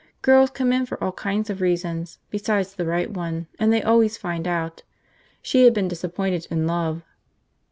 Girls come in for all kinds of reasons besides the right one, and they always find out. She had been disappointed in love."